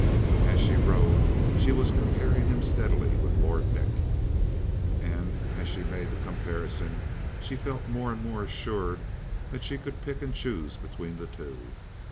As she rode she was comparing him steadily with Lord Nick. And as she made the comparisons she felt more and more assured that she could pick and choose between the two.